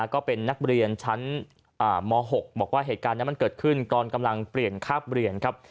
ก็เป็นนักเรียนชั้นม๖บอกว่าเหตุการณ์นั้นมันเกิดขึ้นตอนกำลังเปลี่ยนคาบเรียนครับ